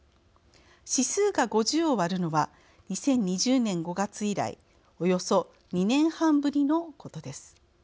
指数が５０を割るのは２０２０年５月以来およそ２年半ぶりのことです。